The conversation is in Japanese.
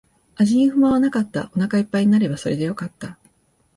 味に不満はなかった。お腹一杯になればそれでよかった。